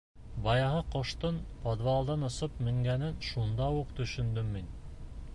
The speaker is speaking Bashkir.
Баяғы ҡоштоң подвалдан осоп менгәнен шунда уҡ төшөндөм мин.